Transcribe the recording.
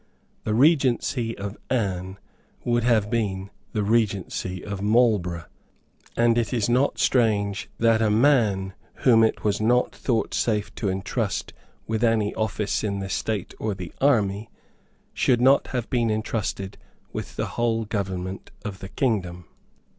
The Regency of Anne would have been the Regency of Marlborough; and it is not strange that a man whom it was not thought safe to entrust with any office in the State or the army should not have been entrusted with the whole government of the kingdom.